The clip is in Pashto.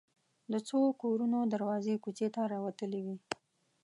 د څو کورونو دروازې کوڅې ته راوتلې وې.